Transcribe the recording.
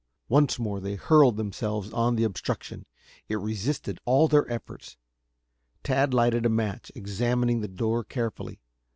Once more they hurled themselves on the obstruction. It resisted all their efforts. Tad lighted a match, examining the door carefully.